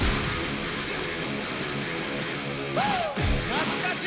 懐かしい！